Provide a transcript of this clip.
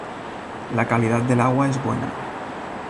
La calidad del agua es buena.